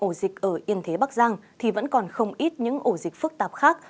ổ dịch ở yên thế bắc giang thì vẫn còn không ít những ổ dịch phức tạp khác